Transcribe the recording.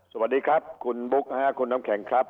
สวัสดีครับคุณบุ๊คคุณน้ำแข็งครับ